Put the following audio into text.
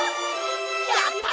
やった！